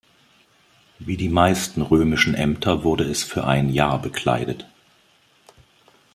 Wie die meisten römischen Ämter wurde es für ein Jahr bekleidet.